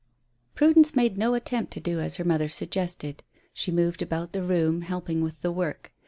Prudence made no attempt to do as her mother suggested. She moved about the room, helping with the work.